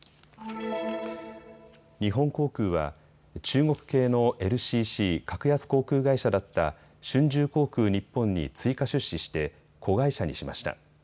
日本航空は中国系のＬＣＣ・格安航空会社だった春秋航空日本に追加出資して子会社にしました。